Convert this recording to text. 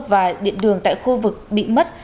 và điện đường tại khu vực bị mất